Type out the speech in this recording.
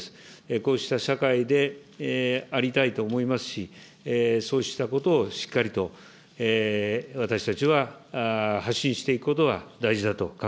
こうした社会でありたいと思いますし、そうしたことをしっかりと私たちは発信していくことが大事だと考